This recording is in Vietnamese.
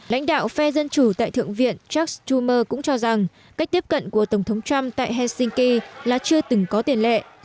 lãnh đạo phe dân chủ tại thượng viện chuck schumer cũng cho rằng cách tiếp cận của tổng thống trump tại helsinki là chưa từng có tiền lệ